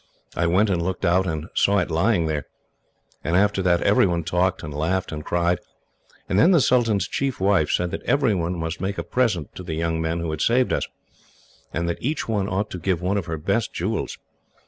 I went and looked out, and saw it lying there. After that every one talked, and laughed, and cried, and then the sultan's chief wife said that everyone must make a present to the young men who had saved us, and that each one ought to give one of her best jewels.